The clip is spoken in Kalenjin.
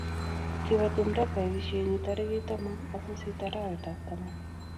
kibo tumdob kaibisie nyu tarikitab taman ak sisit arawetab taman